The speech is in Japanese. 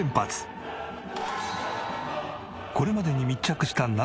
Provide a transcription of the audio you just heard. これまでに密着した